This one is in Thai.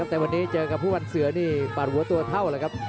แต่วันนี้เจอกับผู้วันเสือนี่ปาดหัวตัวเท่าเลยครับ